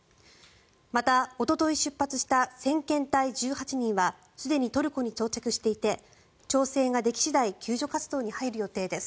また、おととい出発した先遣隊１８人はすでにトルコに到着していて調整ができ次第救助活動に入る予定です。